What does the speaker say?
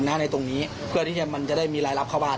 ในตรงนี้เพื่อที่จะมันจะได้มีรายรับเข้าบ้าน